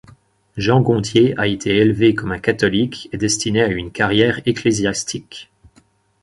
Jean-Gonthier a été élevé comme un catholique et destiné à une carrière ecclésiastique.